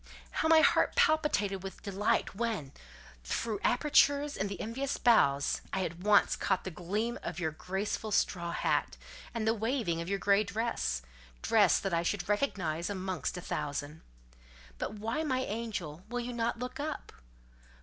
How my heart palpitated with delight when, through apertures in the envious boughs, I at once caught the gleam of your graceful straw hat, and the waving of your grey dress—dress that I should recognise amongst a thousand. But why, my angel, will you not look up?